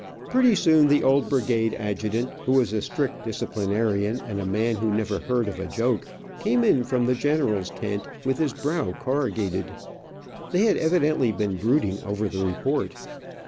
Pretty soon the old brigade adjutant, who was a strict diciplinarian, and a man who never heard of a joke, came in from the general's tent, with his brow corrugated. They had evidently been brooding over the report.